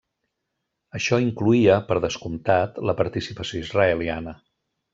Això incloïa, per descomptat, la participació israeliana.